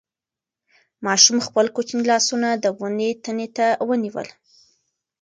ماشوم خپل کوچني لاسونه د ونې تنې ته ونیول.